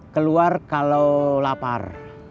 keluar kalau lapar